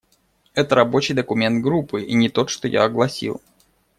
Это рабочий документ Группы, и не тот, что я огласил.